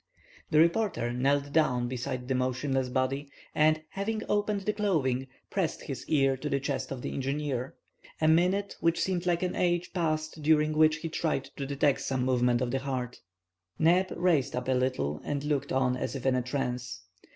The reporter knelt down beside the motionless body, and, having opened the clothing, pressed his ear to the chest of the engineer. A minute, which seemed an age, passed, daring which he tried to detect some movement of the heart. Neb raised up a little, and looked on as if in a trance.